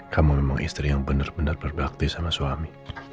kamu memang istri yang bener bener berbakti sama suami